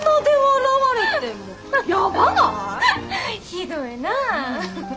ひどいなぁ。